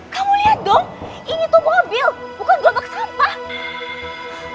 kamu lihat dong ini tuh mobil bukan gerobak sampah